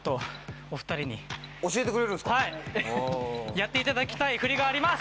やっていただきたい振りがあります。